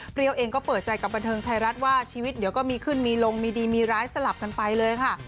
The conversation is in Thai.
เองก็เปิดใจกับบันเทิงไทยรัฐว่าชีวิตเดี๋ยวก็มีขึ้นมีลงมีดีมีร้ายสลับกันไปเลยค่ะ